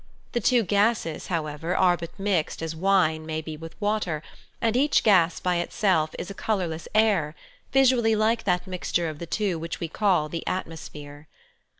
The two gases, however, are but mixed as wine may be with water, and each gas by itself is a colourless air, visually like that mixture of the two which we call the atmosphere.